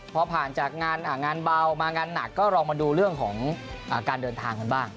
พอผ่านจากงานเบามางานหนักก็ลองมาดูเรื่องของการเดินทางกันบ้าง